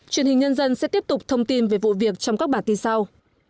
truyền hình nhân dân sẽ tiếp tục thông tin về vụ việc trong các bản tin sau